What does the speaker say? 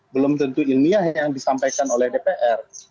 belum tentu ilmiah yang disampaikan oleh dpr